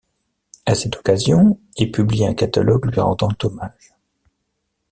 À cette occasion est publié un catalogue lui rendant hommage.